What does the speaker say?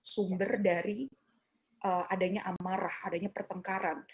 sumber dari adanya amarah adanya pertengkaran